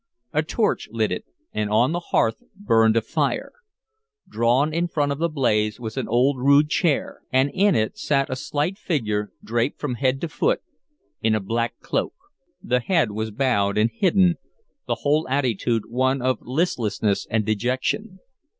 A torch lit it, and on the hearth burned a fire. Drawn in front of the blaze was an old rude chair, and in it sat a slight figure draped from head to foot in a black cloak. The head was bowed and hidden, the whole attitude one of listlessness and dejection.